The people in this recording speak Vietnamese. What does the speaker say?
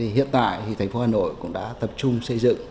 hiện tại thì thành phố hà nội cũng đã tập trung xây dựng